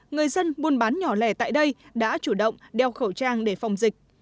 người dân buôn bán nhỏ lẻ tại đây đã chủ động đeo khẩu trang để phòng dịch